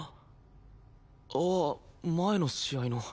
ああ前の試合の。